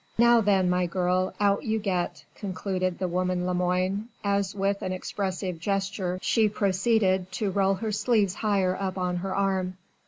"Now then, my girl, out you get," concluded the woman Lemoine, as with an expressive gesture she proceeded to roll her sleeves higher up her arm.